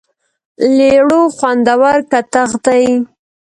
لیړو خوندور کتغ دی.